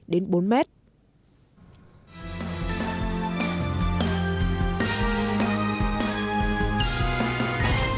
tiếp theo chương trình